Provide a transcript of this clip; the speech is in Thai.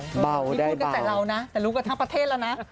นี่พูดกันแต่เรานะแต่รู้กันทั้งประเทศแล้วนะ